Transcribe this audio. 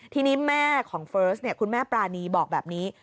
ทีนี้แม่ของเฟิร์สคุณแม่ปรานีบอกแบบนี้